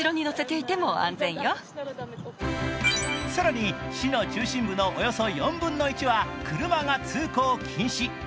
更に、市の中心部のおよそ４分の１は車が通行禁止。